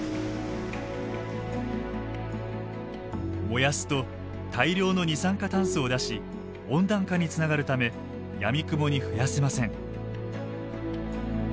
燃やすと大量の二酸化炭素を出し温暖化につながるためやみくもに増やせません。